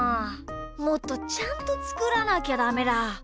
もっとちゃんとつくらなきゃダメだ。